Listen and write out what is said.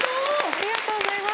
ありがとうございます。